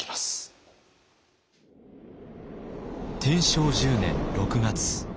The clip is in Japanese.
天正１０年６月。